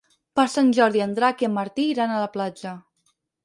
Per Sant Jordi en Drac i en Martí iran a la platja.